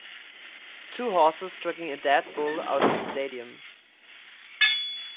Two horses dragging a dead bull out of a stadium.